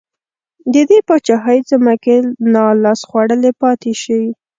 د دې پاچاهۍ ځمکې نا لاس خوړلې پاتې شي.